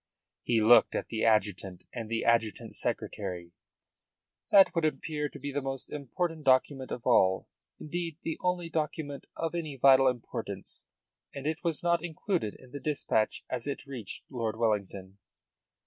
'" He looked at the adjutant and the adjutant's secretary. "That would appear to be the most important document of all indeed the only document of any vital importance. And it was not included in the dispatch as it reached Lord Wellington."